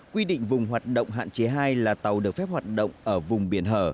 quy định vùng hoạt động hạn chế hai là tàu được phép hoạt động ở vùng biển hở